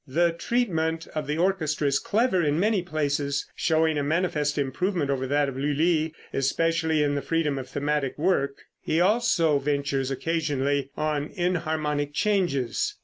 The treatment of the orchestra is clever in many places, showing a manifest improvement over that of Lulli, especially in the freedom of thematic work. He also ventures occasionally on enharmonic changes.